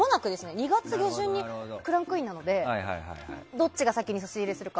２月下旬にクランクインなのでどっちが先に差し入れするか。